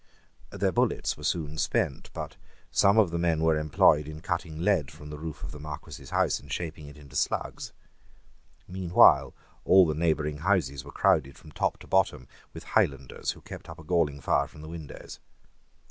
Their bullets were soon spent; but some of the men were employed in cutting lead from the roof of the Marquess's house and shaping it into slugs. Meanwhile all the neighbouring houses were crowded from top to bottom with Highlanders, who kept up a galling fire from the windows.